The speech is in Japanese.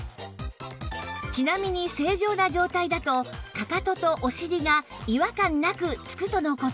ちなみに正常な状態だとかかととお尻が違和感なくつくとの事